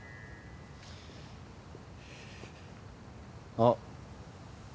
あっ。